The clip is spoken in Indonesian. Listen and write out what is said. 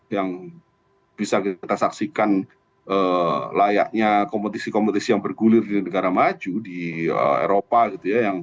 yang bisa kita saksikan layaknya kompetisi kompetisi yang bergulir di negara maju di eropa gitu ya